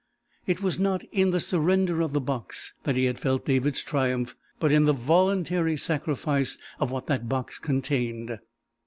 It was not in the surrender of the box that he had felt David's triumph, but in the voluntary sacrifice of what that box contained.